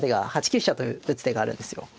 ８九飛車と打つ手があるんですよ。